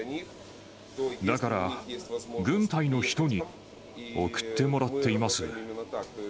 だから、軍隊の人に送ってもらっています。